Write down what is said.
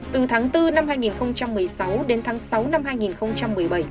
từ tháng bốn năm hai nghìn một mươi sáu đến tháng sáu năm hai nghìn một mươi bảy